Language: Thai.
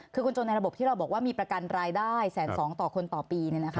คือคนจนในระบบที่เราบอกว่ามีประกันรายได้๑๒๐๐ต่อคนต่อปี